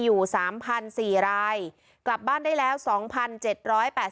อยู่สามพันสี่รายกลับบ้านได้แล้วสองพันเจ็ดร้อยแปด